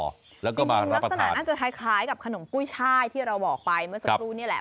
แล้วก็ลักษณะน่าจะคล้ายกับขนมกุ้ยช่ายที่เราบอกไปเมื่อสักครู่นี่แหละ